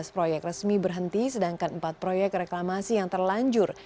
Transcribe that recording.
tujuh belas proyek resmi berhenti sedangkan empat proyek reklamasi yang terlanjur